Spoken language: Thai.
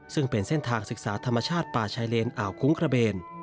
ซึ่งเป็นเส้นทางศึกษาธรรมชาติป่าชายเลนอ่าวคุ้งกระเบน